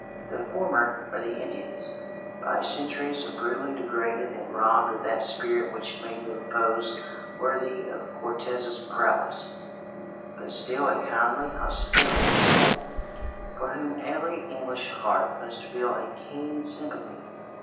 The former are the Indians, by centuries of brutality degraded and robbed of that spirit which made them foes worthy of Cortes's prowess, but still a kindly, hospitable people for whom every English heart must feel a keen sympathy.